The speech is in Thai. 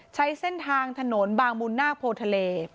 ใช้เส้นทางถนนบางมุนนาคโพทะเล